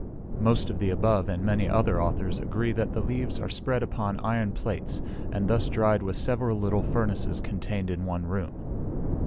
Most of the above, and many other, authors agree that the leaves are spread upon iron plates, and thus dried with several little furnaces contained in one room.